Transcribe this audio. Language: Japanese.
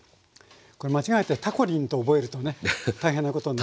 これ間違えて「たこリン」と覚えるとね大変なことになりますけども。